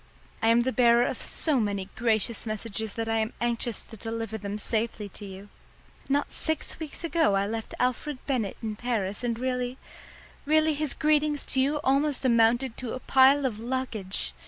"I am the bearer of so many gracious messages that I am anxious to deliver them safely to you. Not six weeks ago I left Alfred Bennett in Paris, and really really his greetings to you almost amounted to a pile of luggage.